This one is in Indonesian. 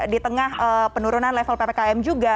di tengah penurunan level ppkm juga